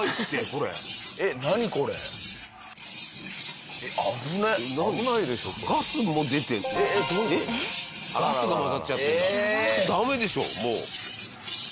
それダメでしょもう。